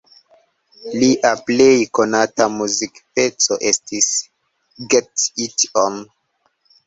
Lia plej konata muzikpeco estis "Get It On".